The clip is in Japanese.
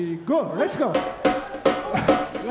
レッツゴー！